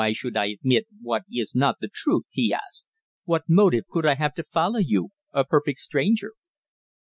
"Why should I admit what is not the truth?" he asked. "What motive could I have to follow you a perfect stranger?"